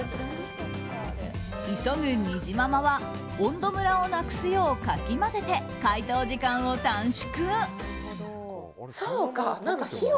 急ぐにじままは温度むらをなくすようかき混ぜて、解凍時間を短縮！